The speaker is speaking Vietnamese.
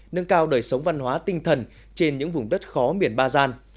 nâng cao đời sống văn hóa tinh thần trên những vùng đất khó miền ba gian